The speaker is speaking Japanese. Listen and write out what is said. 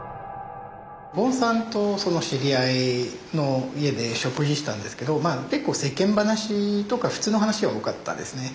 ゴーンさんとその知り合いの家で食事したんですけどまあ結構世間話とか普通の話が多かったですね。